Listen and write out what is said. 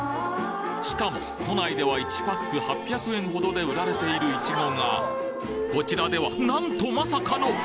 しかも都内では１パック８００円ほどで売られているいちごがこちらではなんとまさかの！